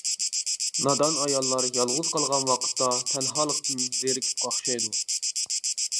نادان ئاياللار يالغۇز قالغان ۋاقىتتا تەنھالىقتىن زېرىكىپ قاقشايدۇ.